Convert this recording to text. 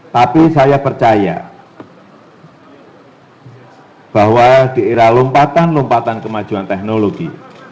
tapi saya percaya bahwa di era lompatan lompatan kemajuan teknologi